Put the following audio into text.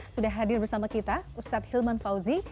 sudah hadir bersama kita ustadz hilman fauzi